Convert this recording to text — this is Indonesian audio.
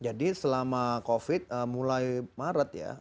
jadi selama covid mulai maret ya